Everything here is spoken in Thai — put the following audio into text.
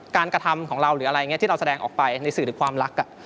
กระทำของเราหรืออะไรอย่างนี้ที่เราแสดงออกไปในสื่อหรือความรัก